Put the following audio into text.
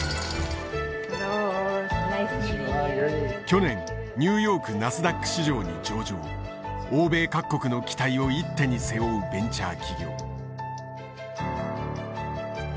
去年ニューヨークナスダック市場に上場欧米各国の期待を一手に背負うベンチャー企業。